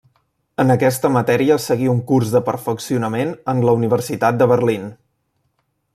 En aquesta matèria seguí un curs de perfeccionament en la Universitat de Berlín.